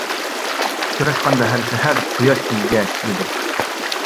ئۇچراشقاندا ھەر سەھەر، قۇياش بىزگە كۈلىدۇ.